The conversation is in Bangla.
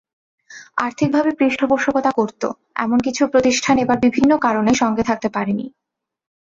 আর্থিকভাবে পৃষ্ঠপোষকতা করত, এমন কিছু প্রতিষ্ঠান এবার বিভিন্ন কারণে সঙ্গে থাকতে পারেনি।